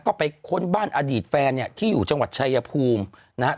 ก็ไปค้นบ้านอดีตแฟนเนี่ยที่อยู่จังหวัดชายภูมินะฮะ